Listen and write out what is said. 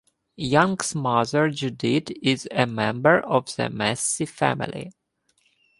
Young's mother Judith is a member of the Massey family.